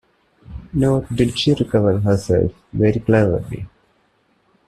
Nor did she recover herself very cleverly.